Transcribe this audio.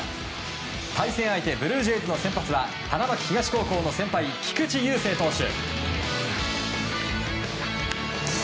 対戦相手ブルージェイズの先発は花巻東高校の先輩菊池雄星投手。